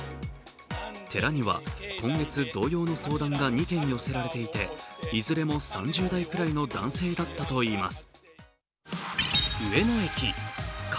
寺には、今月同様の相談が２件寄せられていて、いずれも３０代くらいの男性だったといいます。